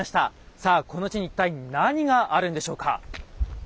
さあこの地に一体何があるんでしょうか？